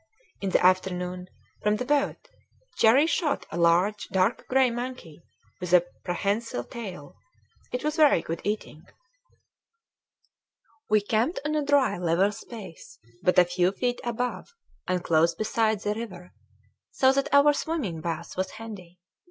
In the afternoon, from the boat, Cherrie shot a large dark gray monkey with a prehensile tail. It was very good eating. We camped on a dry level space, but a few feet above, and close beside, the river so that our swimming bath was handy.